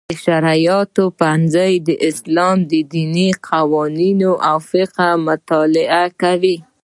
د شرعیاتو پوهنځی د اسلامي دیني قوانینو او فقه مطالعه کوي.